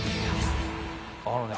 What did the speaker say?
あのね